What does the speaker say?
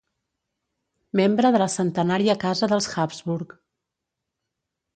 Membre de la centenària Casa dels Habsburg.